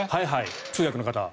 通訳の方。